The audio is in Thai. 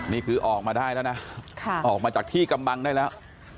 นี่คือออกมาได้แล้วนะออกมาจากที่กำบังได้แล้ว